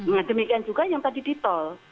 nah demikian juga yang tadi ditol